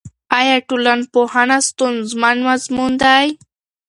آیا ټولنپوهنه ستونزمن مضمون دی؟